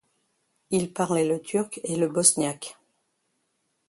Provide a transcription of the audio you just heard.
Il parlait le turc et le bosniaque.